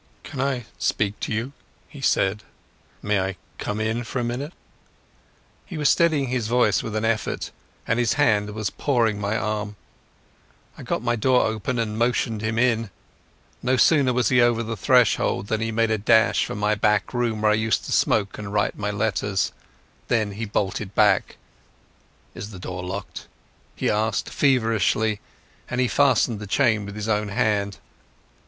"Can I speak to you?" he said. "May I come in for a minute?" He was steadying his voice with an effort, and his hand was pawing my arm. I got my door open and motioned him in. No sooner was he over the threshold than he made a dash for my back room, where I used to smoke and write my letters. Then he bolted back. "Is the door locked?" he asked feverishly, and he fastened the chain with his own hand.